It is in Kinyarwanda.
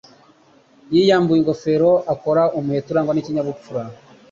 Yiyambuye ingofero akora umuheto urangwa n'ikinyabupfura.